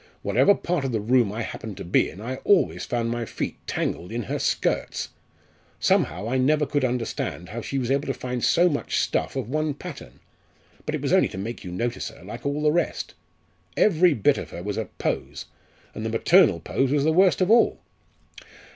Whatever part of the room I happened to be in I always found my feet tangled in her skirts. Somehow, I never could understand how she was able to find so much stuff of one pattern. But it was only to make you notice her, like all the rest. Every bit of her was a pose, and the maternal pose was the worst of all."